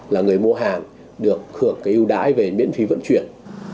là người mua hàng được hưởng cái ưu đãi về miễn phí vận chuyển